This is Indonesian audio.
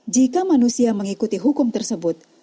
jika manusia mengikuti hukum tersebut